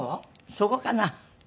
そこかな？